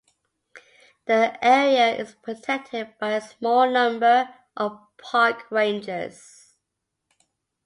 The area is protected by a small number of park rangers.